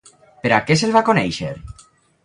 Per a què se'l va conèixer?